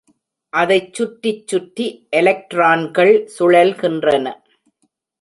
அதைச் சுற்றி சுற்றி எலக்ட்ரான்கள் சுழல்கின்றன.